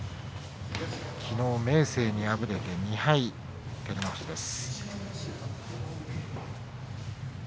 きのう明生に敗れて２敗照ノ富士です。